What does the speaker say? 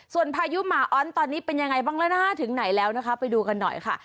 ส่วนพายุหมาอ้อนตอนนี้เป็นยังไงบ้างแล้วนะถึงไหนแล้วนะคะไปดูกันหน่อยค่ะ